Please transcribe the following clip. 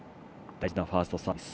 大事なファーストサービス。